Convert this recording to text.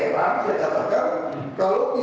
gak ada yang berada